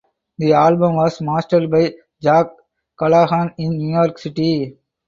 The album was mastered by Jack Callahan in New York City.